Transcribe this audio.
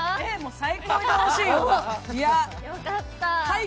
最高においしいよ。